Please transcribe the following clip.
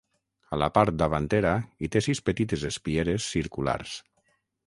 A la part davantera hi té sis petites espieres circulars.